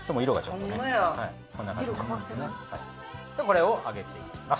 これを揚げていきます。